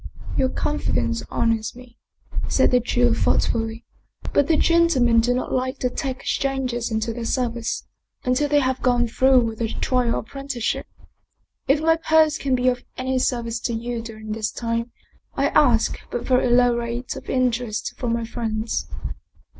"Your confidence honors me," said the Jew thought fully. " But the gentlemen do not like to take strangers into their service, until they have gone through with a trial apprenticeship. If my purse can be of any service to you during this time I ask but very low rates of in terest from my friends."